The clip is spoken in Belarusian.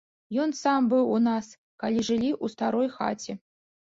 Ён сам быў у нас, калі жылі ў старой хаце.